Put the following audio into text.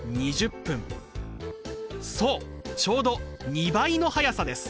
そうちょうど２倍の速さです。